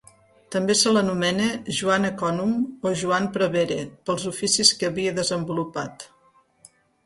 També se l'anomena Joan Ecònom o Joan Prevere pels oficis que havia desenvolupat.